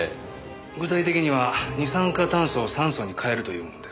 具体的には二酸化炭素を酸素に変えるというものです。